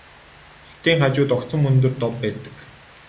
Хотын хажууд огцом өндөр дов байдаг.